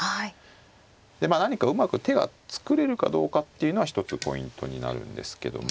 まあ何かうまく手が作れるかどうかっていうのは一つポイントになるんですけども。